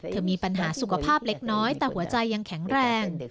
มีปัญหาสุขภาพเล็กน้อยแต่หัวใจยังแข็งแรง